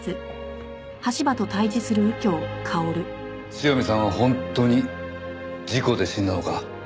塩見さんは本当に事故で死んだのか？